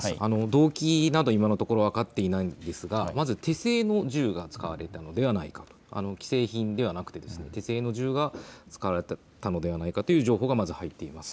動機など今のところ分かっていないんですが、まず手製の銃が使われたのではないか、既製品ではなくて手製の銃が使われたのではないかという情報がまず入っています。